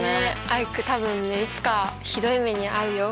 アイク多分ねいつかひどい目に遭うよ。